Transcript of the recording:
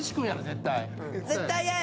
絶対嫌や！